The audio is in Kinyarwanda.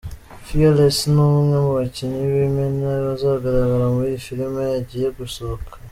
Fearless ni umwe mu bakinnyi b'imena bazagaragara muri iyi film igiye gusohoka.